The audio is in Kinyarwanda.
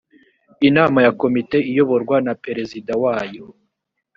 inama ya komite iyoborwa na perezida wayo